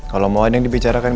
kalau mau ada yang dibicarakan